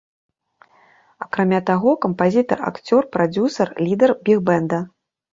Акрамя таго, кампазітар, акцёр, прадзюсар, лідар біг-бэнда.